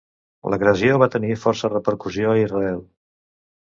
L'agressió va tenir força repercussió a Israel.